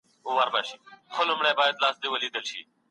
ازاد اقتصاد د هیواد پرمختګ ګړندی کړی و.